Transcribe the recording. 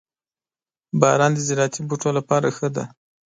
• باران د زراعتي بوټو لپاره ښه دی.